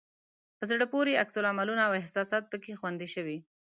په زړه پورې عکس العملونه او احساسات پکې خوندي شوي.